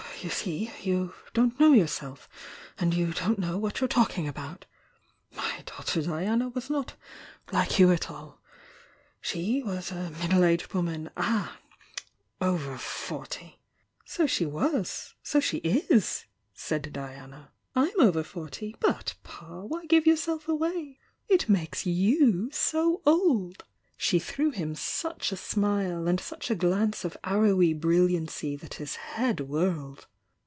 You see, you don't know yourself, and you don't know what you're talking about! My daughter Diana was not like you at all,— she was a middle aged woman — Ah!— over forty " "So she was— so she is!" said Diana^"/'w» over forty! But, Pa, why give yourself away? It makes you so old!" She threw him such a smile, and such a glance of arrowy brilliancy that his head whirled.